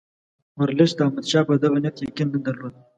ورلسټ د احمدشاه په دغه نیت یقین نه درلود.